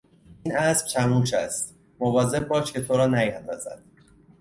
این اسب چموش است، مواظب باش که تو را نیاندازد.